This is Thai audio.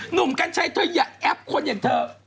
หนุ่มกัญชัยเธออย่าแอปคนอย่างเธอ